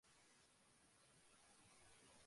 দুজনে জঙ্গলের মধ্যে দিয়ে দিন কাটায়।